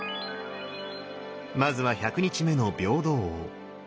まずは１００日目の平等王。